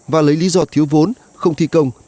và lấy lý do thiếu vốn không thi công